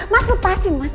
mas lepasin mas